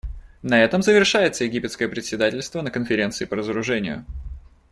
На этом завершается египетское председательство на Конференции по разоружению.